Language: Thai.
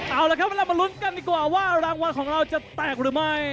เอาละครับเวลามาลุ้นกันดีกว่าว่ารางวัลของเราจะแตกหรือไม่